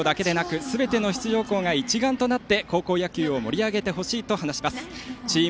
高松商業だけでなくすべての出場校が一丸となって高校野球を盛り上げてほしいと話しています。